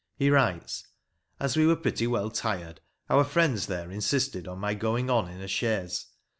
He writes : As we were pretty well tired, our friends there insisted on my going on in a chaise.